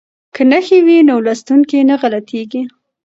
که نښې وي نو لوستونکی نه غلطیږي.